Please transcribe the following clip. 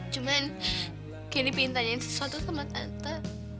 cuma candy ingin tanyain sesuatu sama tante